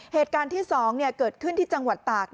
เหตุการณ์ที่๒เกิดขึ้นที่จังหวัดตาก